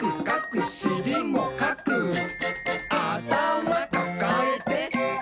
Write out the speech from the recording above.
「あたまかかえて」